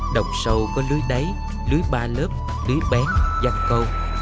đồng sầu có lưới đáy lưới ba lớp lưới bén giăng câu